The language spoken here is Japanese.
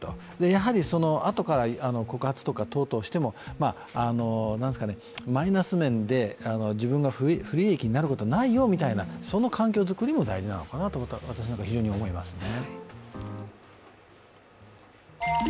やはりあとから告発とかしてもマイナス面で自分が不利益になることはないよというその環境づくりも大事だと私は思いますね。